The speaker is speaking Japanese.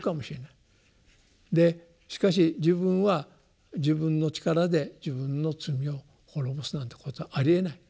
しかし自分は自分の力で自分の罪を滅ぼすなんてことはありえない。